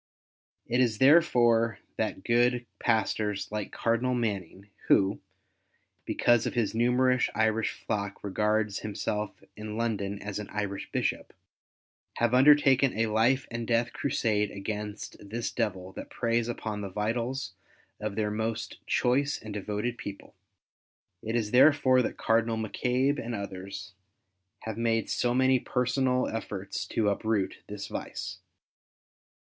It is therefore that good Pastors like Cardinal Manning, who (because of his numerous Irish flock, regards himself in London as an Irish Bishop) have under taken a life and death crusade against this devil that preys upon the vitals of their most choice and devoted people. It is therelore that Cardinal MacCabe and others have made so many personal 1 64 WAR OF ANTICHRIST WITH THE CHURCH. efforts to uproot this vice.